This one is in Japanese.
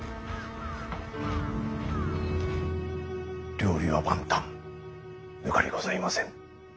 料理は万端ぬかりございません。